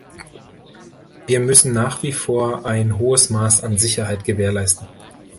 Wir müssen nach wie vor ein hohes Maß an Sicherheit gewährleisten.